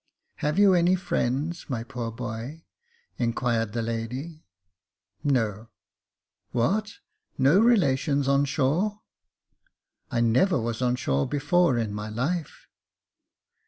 " Have you any friends, my poor boy ?" inquired the lady. " No." " What ! no relations on shore ?" Jacob Faithful 13 *' I never was on shore before in my life."